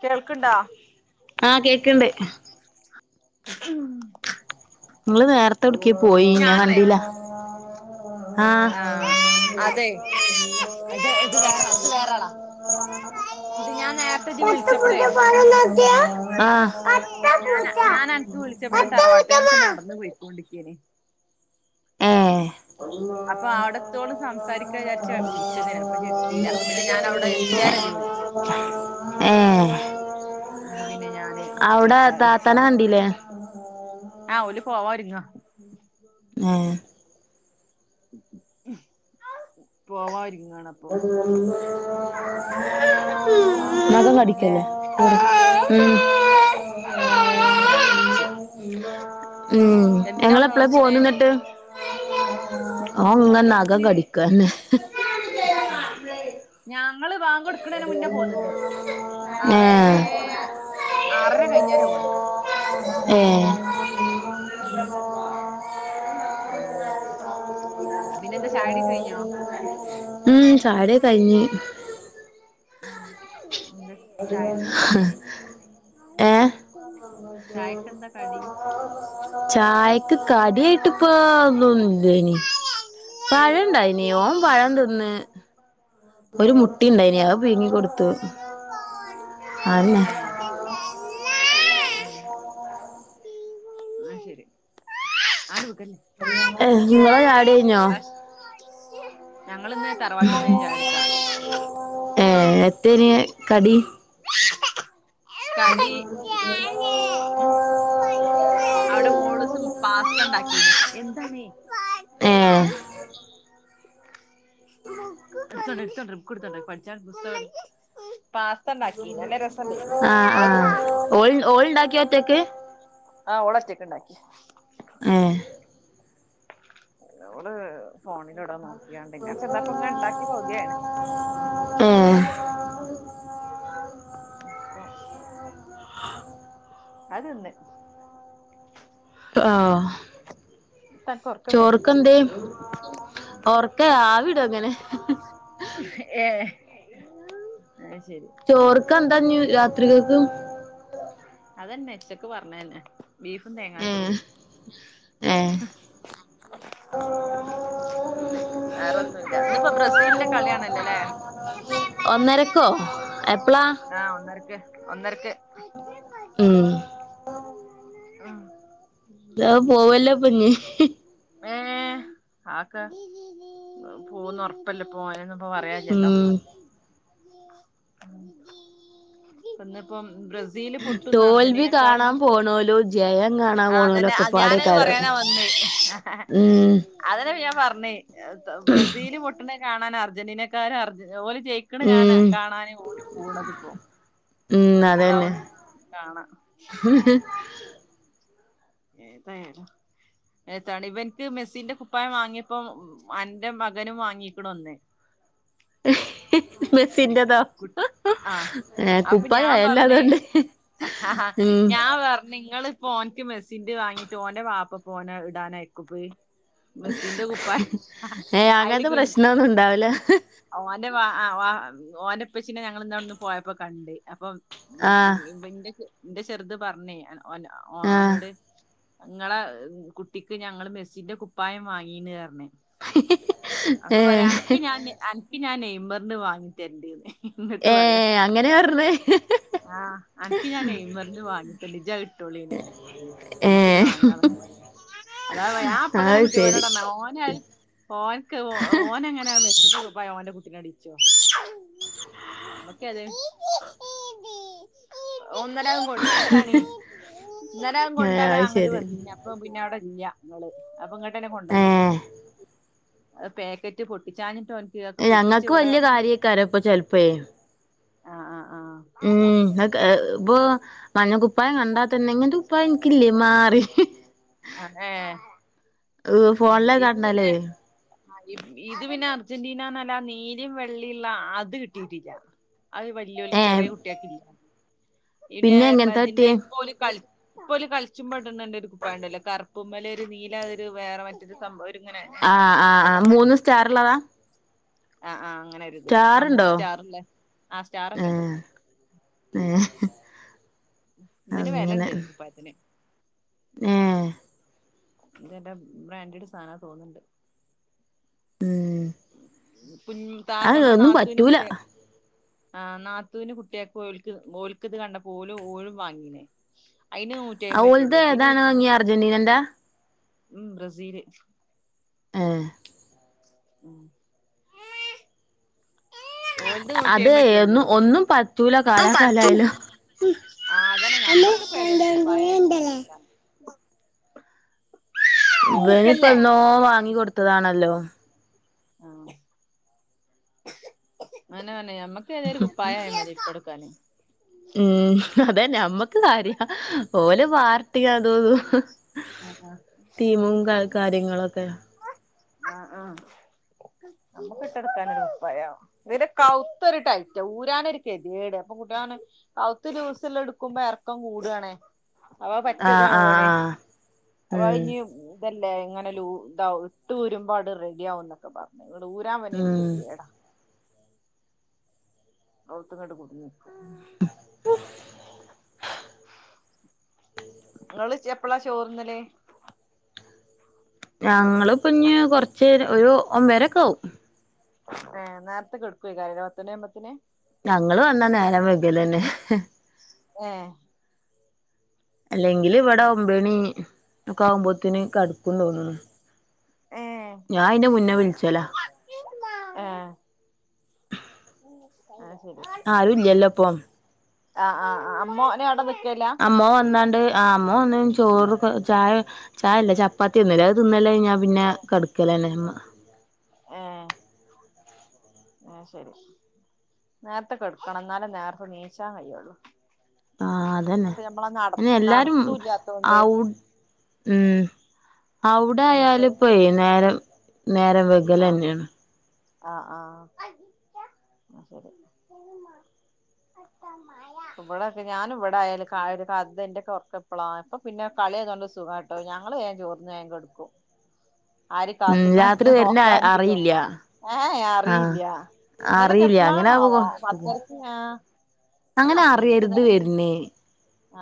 കേൾക്ക്ണ്ടാ? ആഹ് കേക്ക്ണ്ട് മ് ങ്ങള് നേരത്തെവിട്ക്കിയേ പോയീനി ഞാ ഞാപ്പളേ കണ്ടീല ആഹ അതെയ് [inaudible] വേറാളാ ഇത് ഞാൻ നേരത്തെ ഇജ്ജ് വിളിച്ചപ്പളേ ആഹ് [unintelligible] ഞാന് ഞാൻ അന്ക്ക് വിളിച്ചപ്പോ ഞാൻ തറവാട്ട്ങ്ങക്ക് പൂച്ചമ്മാ നടന്ന് പോയിക്കോണ്ടിരിക്കെനി [unintelligible] അപ്പൊ അവിടെത്തോളം സംസാരിക്കാ വിചാരിച്ച വിളിച്ചതേനി അപ്പൊ ഇജ്ജ് ഇട്ത്തീല പിന്നെ ഞാൻ അവിടെ എത്തിയാരെ ഏഹ് ന്നലെ പിന്നെ ഞാന് അവ്ടെ വിളിച്ച താത്താനെ ഇട്ക്കാതെന്ന് കണ്ടില്ലേ ആഹ് ഓല് പോവാനോരുങ്ങാ ഏഹ് പോവാനൊരുങ്ങാണ ബാങ്ക് നഖം കൊടുത്ത്ക്ക്ണ്ട്ല്ലേ കടിക്കല്ലേ ഉം നല്ല ടൈമിലെ ഞാൻ വിളിചെയ് ഉം നിങ്ങളെപ്പളാ വന്നോളച്ചിനെ പൊന്നിന്നിട്ട് ഓൻ ങ്ങനെ നഖം കടിക്കന്നെ ഞങ്ങള് വാങ്കോട് ട്ക്കണയ്നെ മുന്നേ പോന്ന്ണ് ഏഹ് ആറെഴ് ആറര കഴിഞ്ഞേര പോന്നയ് ഏഹ് ഉം ഏഹ് പിന്നെന്താ ചായ്ടി ക്കെ കഴിഞ്ഞോ ഉംചായുടി കയ്ഞ് ഉം ചായ്ക്കന്താണ്ടേനി ഏഹ് ചായ്ക്കെന്താ കടി ചായക്ക് കട്യയിട്ട് പ്പോ ഓഹ് ന്നുംല്ലെനി പഴം ണ്ടായിനി ഓനൻ പഴം തിന്ന് ഒരു ഏഹ് മുട്ടിണ്ടായിനി അഹ് പിയ്ങ്ങി കൊടുത്തു അതന്നെ ഏഹ് ന്ന ശരി ഏഹ് ങ്ങളെ ചായ്ടി കയിഞ്ഞ ഞങ്ങള്ന്ന് ത ഏഹ് എത്തയിനി കടി കടി അവ്ടെ മോളുസ് പാസ്ഥ ണ്ടാക്കീഞ്ഞി ഏഹ് എടുത്തോണ്ട് പാസ്ഥണ്ടാക്കിനു നല്ല രസണ്ടെയിന് ആഹ് പ്പോഹ് ആഹ് തിന്ന് ഓൾ ഓള് ണ്ടാക്കിയറ്റയ്ക്കു ആഹ് ഓള് ഒറ്റയ്ക്കിണ്ടാക്കിയ എഹ് നമ്മള് ഫോണിലുടെ നോക്കിയേണ്ട്, ഞാൻ ചെന്നപ്പോ ഇണ്ടാക്കി പകുതിയാണ്. ഏഹ് അപ്പൊ അഹ് തിന്ന് ആഹ് നിനക്ക്‌ ഉറക്കം വരുണ്ടോ? ഒർക്ക ആവിട ങ്ങനെ. ഏ അഹ് ശരി ചോർക്ക് എന്താഞ്ഞി രാത്രിക്കക്ക് അതന്നെ ഉച്ചക്ക് പറഞ്ഞന്നെ ബീഫും തേങ്ങാ ഏഹ് ചോറും ആഹാ ഹ്മ്മ് വേറെ ഒന്നും ഇല്ല ഇന്നിപ്പോ ബ്രസീലിന്റെ കളിയാണല്ലോല്ലേ ഒന്നരക്ക് ഒന്നരക്കോ എപ്പളാ ആഹ ഒന്നര്ക്ക് ഒന്നരക്ക് ഉം ഉം താ പോവല്ലപ്പഞ്ഞി ഏ ആക്ക് പോന്ന് ഉറപ്പല്ല പോനൊന്ന ഇപ്പൊ പറയല്ലല്ലോ ഉം ഒന്നിപ്പം ബ്രസീല് പൊട്ടുന്ന അർജന്റീനക്കാരും ണോലോ ജയം കാണ ആ അതന്നെ ഞാന പറയാനാ വന്ന് ഉം [inaudible] അതന്നെപ്പോ ഞാൻ പറഞ്ഞേ ബ്രസീല് പൊട്ടുന്ന കാണാൻ അർജന്റീനക്കാര അർജ ഓലെ ജയിക്കണ ഞാൻ ഉം കാണാന് ഓല് പോണത് ഇപ്പോ ഉം അതന്നെ എന്താവും കാണാം തയരുന്നു ഏത്താണ് ഇവൻക്ക് മെസ്സിന്റെ കുപ്പായം വാങ്ങിയപ്പോം എന്റെ മകനും വാങ്ങിക്കണ ഒന്നേ മെസിൻന്റെതോ ആഹ അപ്പൊ ഞാൻ പറഞ്ഞഞ് ആ ഹ ആ ഉം ഞാൻ പറഞ്ഞ നിങ്ങള് ഫോനക്ക് മെസ്സിന്റ് വാങ്ങീട്ട് ഓന്റെ പാപ്പ ഫന ഇടാനൻായിക്കു പോയി മെസ്സിന്റെ കുപ്പ ഏ അയല അങ്ങനത്തെ കുഞ് പ്രശ്നൊന്നും ഉണ്ടാവൂല ഓന്റെ വ ഓനപ്പച്ചിനെ ഞങ്ങൾ ഇന്നോവിടെന്ന് പോയപ്പോ കണ്ട് അപ്പ ആഹ് ഉന്റെ എന്റെ ചെറുത് പറഞ്ഞേ ആഹ് അവഓനോട് ങ്ങളെ കുട്ടിക്ക് ഞങ്ങള് മെസ്സിന്റെ കുപ്പായം വാങ്ങീണ് അർഞ്ഞ് അപ്പൊ ഏ പറയാ അനിക്ക് ഞാൻ എ ഞാൻ നെയ്മമ്പറിന് വാങ്ങി തരണ്ടന്ന് ഇങ്ങട്ട് പറയാം ഇങ്ങനെ പറഞ്ഞേ ആഹ് അൻക്ക് ഞാൻ നെയ്മറിന്ന് വാങ്ങിട്ട നിജ കിട്ടോളിനീന്ന് ഏ നമ്മുക്ക ഇത് വേണ്ടാ അതാ ൻ അപ്പഴത്തന്നെ അത് കുട്ടി ശരി പോനോട ഓന ഓനക്ക് ഓനങ്ങെ അങ്ങനെ മെച്ചപായം എന്റെ കുട്ടിനനെ അടിച്ചോ നമ്മക്ക അതെ [inaudible] മ [unintelligible] ഒന്നരം കൊട്ടണ ഒന്നരം ഇന്നലെ ഏ കൊണ്ടാണ് അത് അങ്ങോട്ട് ശരി വന്ന അപ്പ പിന്നെ അവിടെ ഇല്ല നിങ്ങള് അപ്പൊ ഇങ്ങട്ടന്നെ ഏ കൊണ്ടുവന്നന്നെ പാക്കറ്റ് പൊട്ടിച്ചഞ്ഞിട്ട് ഞങ്ങൾക്ക് വലിയ കാര്യക്കാരേ ഇപ്പൊ ചെൽപ്പേ ആഹ ആഹ് ആഹ ഉം ഇ ക ബോ മഞ്ഞ കുുപ്പായം കണ്ടാത്ത തന്നെ ഇങ്ങൻന്നെ കുപ്പായ എനിക്കില്ലേ മ്മാറിയും ആ ഉ ഫോണിലെ ഇത് പിന്നെ കണ്ടാലേ ഇത് പിന്നെ അർജന്റീനന്നല്ല നീലിം വെള്ളിയുള്ള അത് കിട്ടിയിട്ടില്ല അത് വലിയൊ ഏ ചെറിയ കുട്ടിയാക്കില്ല പിന്നെ എങ്ങനത്തെ എറതിന്റെ പറ്റിയേ ഇപ്പോലും കള ഇലും കളിച്ചും പെടന്നണ്ട് ഒരു കുപ്പ ഉണ്ടല്ലോ കറ ഉുമ്മല ഒരു നീലാതൊരു വേറെ മറ്റൊരു സംഭവം ഇങ്ങനെ ഞാൻ ആ ആ ആ് മൂന്ന് സ്റ്റാർള്ളതാ ആ ആഹ് ആ അങ്ങനൊര്ത് മൂന്ന് സ്റ്റാറുണ്ടോ സ്റ്റാറല്ലേ ആ സ്റ്റാറ ഒക്കെ ഉണ്ട് ആഹ ഇതിന് വിലുണ്ട് ഇപ്പത്തിന് ഏ ഇത എന്റെ ബ്രാൻഡഡ് സാധന തോന്നുന്നുണ്ട് ഉം ഉം ത്താ അത് നമ്മളെ ഒന്നും നാത്തുൻ്റെ പറ്റൂല കുട്ടിയാ ആ നാത്തുവിന്റെ കുട്ടിയൊക്കെ ഓ ഓൽക്കത് കണ്ട പോലും ഓഴും വാങ്ങീനേ അയിന് ന ആ ഓൽത് ഏതാണ് നങ്ങിയ അർജന്റീനന്റെ ഉം ബ്രസീല് ആഹ ഉം [unintelligible] ഓല്ത് നൂറ്റി അത് അയമ്പറ്റേള്ളൂ ഒന്നും ഒന്നും പറ്റൂല കാലാകാലായാലും [unintelligible] ആഹ്, അതന്നെ നമ്മക്കിപ്പോ ഏതേലും കുപ്പായായാ മതി ഇട്ടൊടുക്കാൻ പൂക്കല്ലേ ഇവനിപ്പന്നോ വാങ്ങി കൊടുത്തതാണല്ലോ ആഹ് അതന്നെ പറഞ്ഞെ നമ്മക്കെതേലും കുപ്പായായാമതി ഇട്ടൊടുക്കാന് ഹ്മ്മ്, അതന്നെ നമ്മക്ക് കാര്യ ഓല് പാർട്ടിം അതുതും, ടീമും കാര്യങ്ങളൊക്കെ ആഹ്, ആഹ് നമ്മക്ക് ഇട്ടൊടുക്കാനൊരു കുപ്പായം ഇതിന്റെ കവുത്തൊരു ടൈറ്റാ ഊരാനൊരു കെതേട്. അപ്പൊ [unintelligible] കവുത്ത് ലൂസില്ലെടുക്കുമ്പോ എറക്കം കൂടാണ്. അവ ആഹ് ആഹ് പറ്റതാവാണേ ആഹ് അപ്പ അവ ഉം ഇഞ്ഞ് ഇപ്പല്ലേ ഇങ്ങനെ ലൂ ഇതാവും ഇട്ട് ഊരുമ്പോ അവ്ടെ റെഡിയാവുംന്നൊക്കെ പറഞ്ഞ്, ഇങ്ങട്ട് ഊരാൻപിന്നങ്ങട്ട് ഉം കേതെടാ കവുത്തങ്ങട്ട് കുടുങ്ങും [inaudible] ഇങ്ങള് ഇജപ്പളാ ചോറ്ന്നല് ഞങ്ങള്പ്പഞ്ഞ് കൊറച്ച് ഒരു ഒമ്പെരെക്കാവും ഏഹ്, നേര്ത്തെെ കെടുക്കെകാരംലെ പത്തണിയാവുമ്പോത്തിന് ഞങ്ങള് വന്നാ നേരം വൈകലന്നെ ഏഹ് അല്ലെങ്കില് ഇവടെ ഒമ്പണി ഒക്കാവുമ്പോത്ത്ന് കട്ക്കും തോന്ന്ണ്. ഏഹ് ഞാൻ അയിന്റെ മുന്നെ വിൾച്ചലാ [inaudible] ആഹ് അത് ശെരി. ആരുല്ലല്ലോ ഇപ്പം ആഹ്, ആഹ്, ആഹ് അമ്മോനും അവ്ടെ നിക്കേല്ല അമ്മോൻ വന്നാണ്ട് ആഹ്, അമ്മോൻ വന്നാ ചോറൊക്കെ ചായ ചായല്ല ചപ്പാത്തിയാ തിന്നല് അത് തിന്നലയിഞ്ഞാൽ പിന്നെ കട്ക്കലന്നെ ഇമ്മ ഏഹ് അത് ശെരി. നേര്ത്തെ കെട്ക്കണം ഇന്നാലേ നേരത്തെ നീച്ചാൻ കയ്യൊള്ളൂ ആഹ് അതന്നെ, അതിന് എല്ലാരും നടത്തൂല്ലാത്തോണ്ട് അവു ഹ്മ്മ്, നീച്ചല് അവുടായാലിപ്പെ നേരം നേരം ആഹ് വെകലന്നെണ്. ആഹ്, ആഹ് അത് ശെരി. ഇപ്പ ഇവടെക്കെ ഞാന് ഇവിടായാല് ക ഒരു കഥെ ഇന്റൊക്കെ ഒറക്കപ്പളാ, ഇപ്പം പിന്നെ കളി ആയതോണ്ട് സുഖാ കാട്ടോ, ഞങ്ങള് വേം ചോർന്ന് വേം കട്ക്കും. ആരി ഉം കാത്ത്ക്കാനുല്ല രാത്രി വര്ണ നോക്കാനുല്ല ഒ അറിയില്ല ഏഹ് ഹെ ആഹ് അറീല്ല. ഇന്നലൊക്കെ അറിയില്ല അങ്ങനാവുമ്പോ എപ്പളാണാവോ പത്തരക്ക് ഞാ അങ്ങനെ [unintelligible] ഇന്ക്ക് അറിയരുത് ഇന്നലെ, വര്ണേ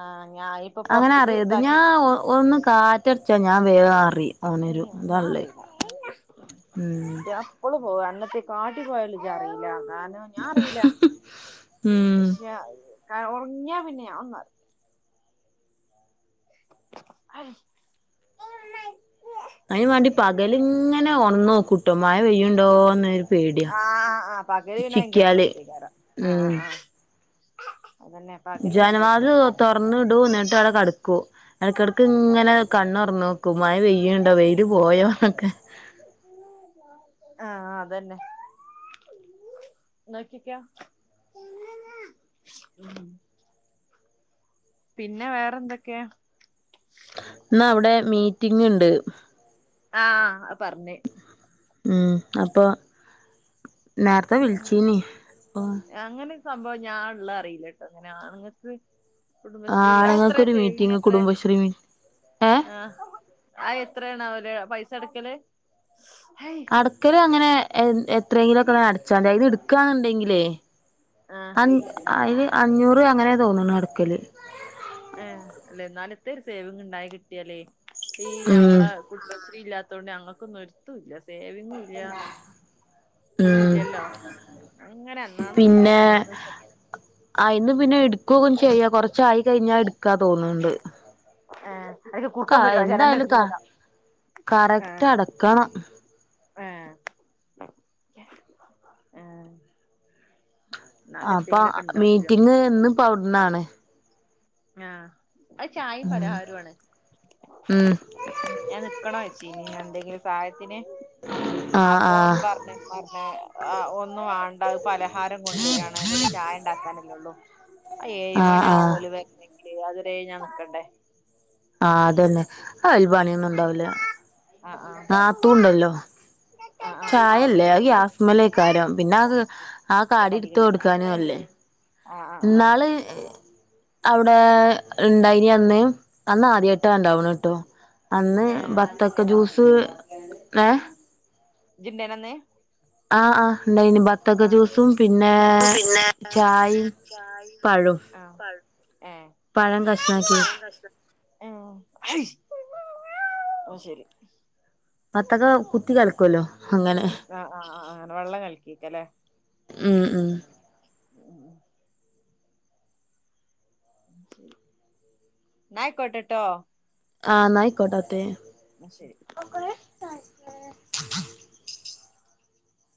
ആഹ് [unintelligible] അങ്ങനെ അറിയര്ത്. ഞാൻഒ ഒന്ന് കാറ്റട്ച്ചാ ഞാൻ വേഗമറിം ഏഹ് ഞാൻ അറീല്ല. ഉം [inaudible] ഞാൻ ഇപ്പളും പോവും അഞ്ഞെത്തെ കാട്ടി പോയാലും ഇജറീല്ല. കാരണം ഞാൻ അറീല്ല. ഉം പക്ഷെ ഒറങ്ങിയാ പിന്നെ ഞാൻ ഒന്നും അറീല [unintelligible] അയിനും വാണ്ടി പകലിങ്ങനെ ഒൺന്നോക്കുട്ടോ മയ പെയ്യുണ്ടോന്ന് ആഹ് അഹ് പകല് പിന്നെ ഭയങ്കര ശ്രദ്ധേകാരം ആഹ് ഉം ആ അതന്നെ പകല് നല്ല ജനവാതില് ശ്രദ്ധേണ് തൊർന്നിടു ഇന്നട്ടവിടെ കട്ക്കൂ എടക്കെട്ക്ക്ങ്ങനെ കണ്ണൊർന്നോക്കും മയ പെയ്യ്ണ്ടോ വെയില് പോയോന്നൊക്കെ ആഹ് അതന്നെ നോക്കിക്കോ ഉം. പിന്നെ വേറെന്തൊക്കെ? ഇന്ന വ്ടെ മീറ്റിംഗിണ്ട് ആഹ് അഹ് പർഞ് ഉം അപ്പൊ നേരത്തെ വിളിച്ചീനി അപ്പം അങ്ങനൊരു സംഭവം ഞാൻ ഉള്ളത് അറിയില്ലട്ടോ, അങ്ങനെ ആണുങ്ങൾക്ക്. കുടുംബശ്രീയില് അത് എത്രയാ ആണുങ്ങൾക്കൊരു സേവിങ് മീറ്റിംഗ് എത്ര കുടുംബശ്രീ മീ ഏ ആഹ്. അഹ് എത്രേണാവലേ പൈസ അടക്കല് ഹയ് മിക്കവരും അങ്ങനെ ഏഹ് എത്രയെങ്കിലും ഒക്കെ അടച്ചോണ്ടേ ഇത് എടുക്കുവാണെന്ന് ഉണ്ടെങ്കിലേ. ആഹ് അഞ് അത് അഞ്ഞൂറ് അങ്ങനെ തോന്നുണു അടക്കല് ഏഹ്. അല്ലെ ഇന്നാലു എത്തേ ഒരു സേവിങ്ങിണ്ടായി കിട്ടിയാലേ ഈ ഉം ഞമ്മളെ കുടുംബശ്രീ ഇല്ലാത്തോണ്ട് ഞങ്ങക്കൊന്നും ഒരുത്തുല്ല സേവിങ്ങൂല്ല. ഉം ഒന്നുല്ലല്ലോ, അങ്ങനെ അന്നന്ന് കിട്ടിയത് അന്നന്ന് എടുക്കും. ആയിന്ന് പിന്നെ ഇടുക്കും ചെയ്യാ കൊറച്ചായി കയിഞ്ഞാ ഇട്ക്കാ തോന്ന്ണ്ട്. ഏഹ് അതൊക്കെ ക കുറുക്കൻ വരും ആ ജനലിന്റെ എന്തായാലും ത അടുത്തേക്ക് പോകാം കറക്റ്റ് അടയ്ക്കണം. ഏഹ് ഏഹ് ആഹ് അപ്പൊ മീറ്റിംഗ് ഇന്നിപ്പം അവിടുന്നാണ്. ആഹ് ആഹ് ചായയും പലഹാരവുമാണ്. ഉം ഞാൻ നിക്കണോ ചേച്ചി, ഞാൻ എന്തെങ്കിലും സഹായത്തിന് ആഹ് അപ്പൊ ആഹ് പറഞ്ഞു. [unintelligible] ഏഹ് ഒന്നുവാണ്ട അഹ് പലഹാരം കൊണ്ടരാണ് പിന്നെ ചായ ഇണ്ടാക്കാനല്ലേള്ളു അതേഴ് ആഹ് ആഹ് മണിയാവോല് വെര്നെങ്കില് അത് വരെ ഞാൻ നിക്കണ്ടേ. ആഹ് അതെന്നെ, ആഹ്‌ ഒരു ആഹ് പണിയൊന്നുണ്ടാവൂല ആഹ് നത്തൂണ്ടല്ലോ. ആഹ് ആഹ് ആഹ് ചായല്ലേ ശരി അഹ് ഓടി ഗ്യാസ്മലേക്കാരം പിന്നെ അഹ് ആ കടി കടിട്ത്ത് കടി കൊടുക്കാനു അല്ലേ ആഹ് ആഹ് ആഹ് ഇന്നാള് അവിടെ ഉണ്ടായിന് അന്ന് അന്ന് ആദ്യായിട്ട ഉണ്ടാവ്ണ കേട്ടോ അന്ന് ഏഹ് അന്ന് ബത്തക്ക ഇജ്ജിണ്ടേനോ ജ്യൂസ് ഏഹ് ഇജ്ജ് ഇണ്ടേനോ അന്ന് ആഹ് ആഹ് ണ്ടായിന് ബ ബത്തക ആഹ് ജൂസും പിന്നെ ചായീം പഴോമ് ആഹ് ഏഹ് പഴം കഷ്ണാക്കിയത് ഏഹ് അഹ് ശരി വത്തക കുത്തി കൽക്കോല്ലോ അങ്ങനെ ആ ആ ആ വെള്ളം കല്ക്കീക്ക ല്ലേ ഉം ഉം [unintelligible] ന്ന അയ്ക്കോട്ടെ ട്ടോ ആഹ് ന്നയ്ക്കോട്ടത്തെ ന്ന ശരി